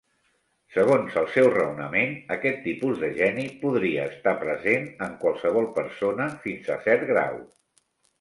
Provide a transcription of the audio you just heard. Segons el seu raonament, aquest tipus de geni podria estar present en qualsevol persona fins a cert grau.